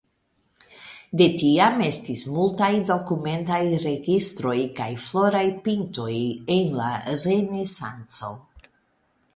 De tiam estis multaj dokumentaj registroj kaj floraj pintoj en la Renesanco.